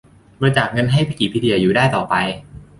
บริจาคเงินให้วิกิพีเดียอยู่ได้ต่อไป